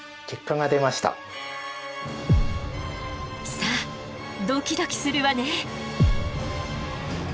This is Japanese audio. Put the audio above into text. さあドキドキするわね！